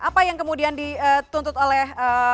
apa yang kemudian dituntut oleh